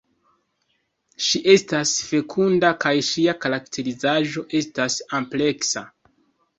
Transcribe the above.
Ŝi estas fekunda kaj ŝia karakterizaĵo estas ampleksa.